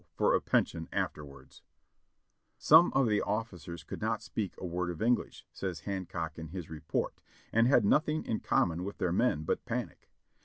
for a pension afterwards." ("Battles and Leaders," Vol. 36, p. 573.) Some of the officers could not speak a word of English, says Hancock in his report, and had nothing in common with their men but panic.